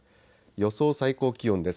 予想最高気温です。